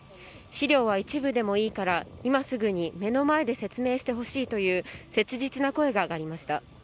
資料は一部でもいいから今すぐに目の前で説明してほしいという切実な声が上がりました。